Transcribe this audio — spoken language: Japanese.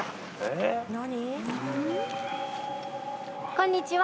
こんにちは。